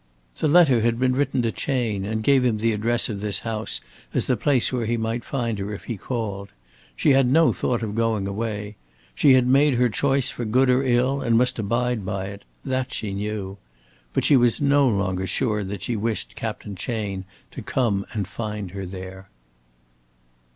The letter had been written to Chayne, and gave him the address of this house as the place where he might find her if he called. She had no thought of going away. She had made her choice for good or ill and must abide by it. That she knew. But she was no longer sure that she wished Captain Chayne to come and find her there.